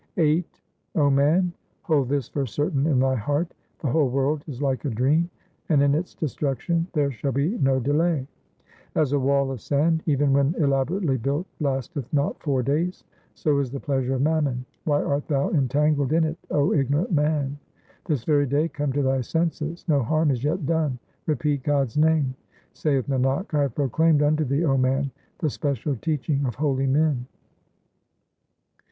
VIII O man, hold this for certain in thy heart — The whole world is like a dream, and in its destruction there shall be no delay. 1 The Gurus, his predecessors. HYMNS OF GURU TEG BAHADUR 401 As a wall of sand, even when elaborately built lasteth not four days, So is the pleasure of mammon ; why art thou entangled in it, O ignorant man ? This very day come to thy senses ; no harm is yet done ; repeat God's name. Saith Nanak, I have proclaimed unto thee, 0 man, the special teaching of holy men.